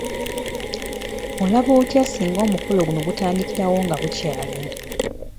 Olaba otya singa omukolo guno gutandikirawo nga bukyali?